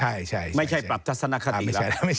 ไม่ใช่ปรับทัศนาคตีแล้ว